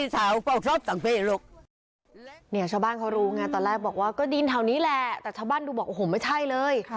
ชาวบ้านเขารู้ไงตอนแรกบอกว่าก็ดินแถวนี้แหละแต่ชาวบ้านดูบอกโอ้โหไม่ใช่เลย